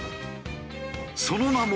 その名も。